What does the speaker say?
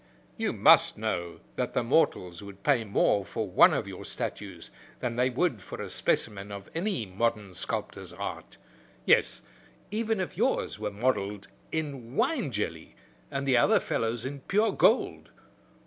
You must know that the mortals would pay more for one of your statues than they would for a specimen of any modern sculptor's art; yes, even if yours were modelled in wine jelly and the other fellow's in pure gold.